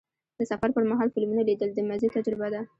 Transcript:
د سفر پر مهال فلمونه لیدل د مزې تجربه ده.